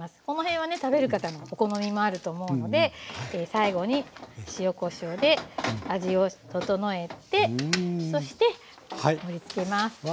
この辺はね食べる方のお好みもあると思うので最後に塩・こしょうで味を調えてそして盛りつけます。